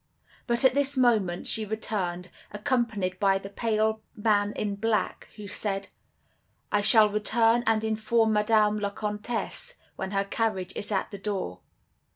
But at this moment she returned, accompanied by the pale man in black, who said: "'I shall return and inform Madame la Comtesse when her carriage is at the door.